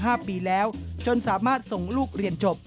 ห้าปีแล้วจนสามารถส่งลูกเรียนจบ